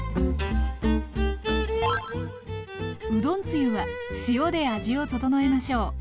うどんつゆは塩で味を調えましょう。